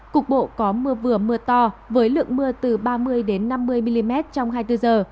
cục bộ có mưa vừa mưa to với lượng mưa từ ba mươi năm mươi mm trong hai mươi bốn h